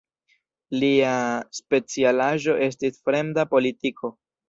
Lia specialaĵo estis fremda politiko.